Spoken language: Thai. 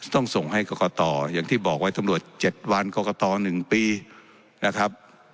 ต้องส่งให้กรกตอย่างที่บอกไว้ตำรวจ๗วันกรกต๑ปีนะครับ